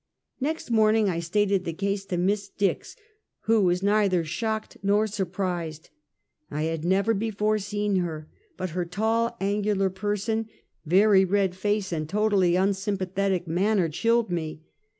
'Next morning I stated the case to Miss Dix, who was neither shocked nor surprised. I had never before seen her, but her tall, angular person, very red face, and totally unsympathetic manner, chilled me.